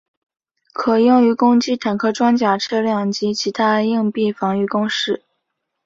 可用于攻击坦克装甲车辆及其它硬壁防御工事。